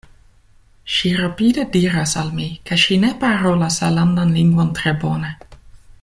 Ŝi rapide diras al mi, ke ŝi ne parolas la landan lingvon tre bone.